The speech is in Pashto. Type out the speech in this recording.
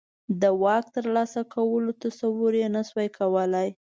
د واک ترلاسه کولو تصور یې نه شوای کولای.